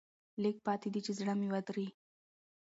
لېږ پاتې دي چې زړه مې ودري.